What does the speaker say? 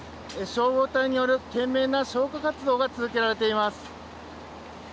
消防隊による懸命な消火活動が続けられています。